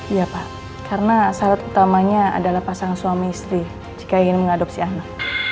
iya pak karena syarat utamanya adalah pasangan suami istri jika ingin mengadopsi anak